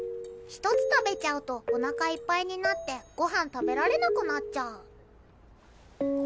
１つ食べちゃうとおなかいっぱいになってご飯食べられなくなっちゃう。